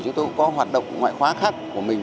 chúng tôi cũng có hoạt động ngoại khóa khác của mình